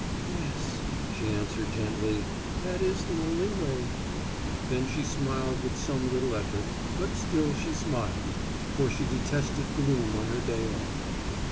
"Yes," she answered gently, "that is the only way." And then she smiled with some little effort, but still she smiled, for she detested gloom on her day off.